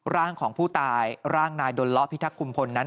ร่างของผู้ตายร่างนายดนเลาะพิทักษุมพลนั้น